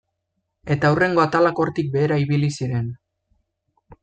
Eta hurrengo atalak hortik behera ibili ziren.